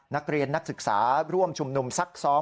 นักเรียนนักศึกษาร่วมชุมนุมซักซ้อม